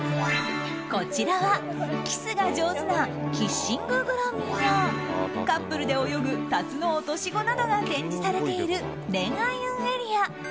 こちらはキスが上手なキッシンググラミーやカップルで泳ぐタツノオトシゴなどが展示されている、恋愛運エリア。